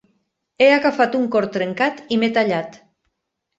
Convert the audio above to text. He agafat un cor trencat i m'he tallat.